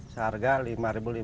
seharga rp lima lima ratus per kilo